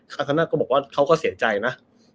คันโตน่าก็บอกว่าเค้าก็เสียใจนะ